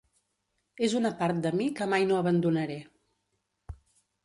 És una part de mi que mai no abandonaré.